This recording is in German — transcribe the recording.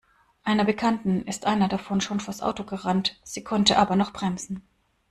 Einer Bekannten ist einer davon schon vors Auto gerannt. Sie konnte aber noch bremsen.